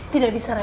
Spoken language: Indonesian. tidak bisa raju